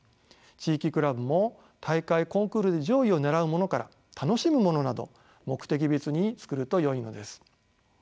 地域クラブも大会・コンクールで上位を狙うものから楽しむものなど目的別に作るとよいのです。